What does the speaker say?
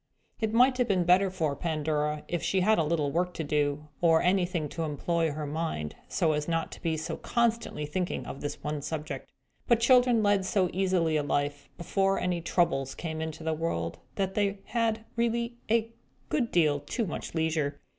It might have been better for Pandora if she had had a little work to do, or anything to employ her mind upon, so as not to be so constantly thinking of this one subject. But children led so easy a life, before any Troubles came into the world, that they had really a great deal too much leisure.